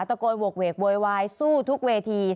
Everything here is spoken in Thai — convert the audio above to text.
โกยโหกเวกโวยวายสู้ทุกเวที